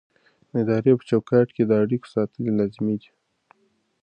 د ادارې په چوکاټ کې د اړیکو ساتل لازمي دي.